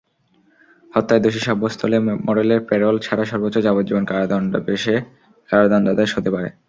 হত্যায় দোষী সাব্যস্ত হলে মোরেলের প্যারোল ছাড়া সর্বোচ্চ যাবজ্জীবন কারাদণ্ডাদেশ হতে পারে।